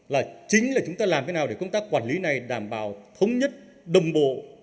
là chính là chúng ta làm thế nào để công tác quản lý này đảm bảo thống nhất đồng bộ